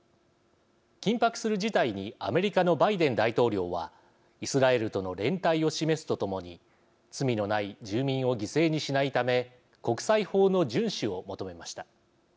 緊迫する事態にアメリカのバイデン大統領はイスラエルとの連帯を示すとともに罪のない住民を犠牲にしないため国際法の順守を求めました。